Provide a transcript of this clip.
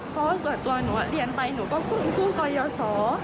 เพราะว่าส่วนตัวหนูเรียนไปหนูก็กู้ก่อยสอ